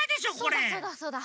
そうだそうだそうだ。